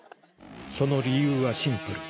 その理由はシンプル